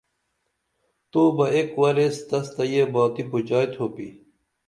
تو بہ ایک وریس تسہ یہ باتی پُوچائی تُھوپی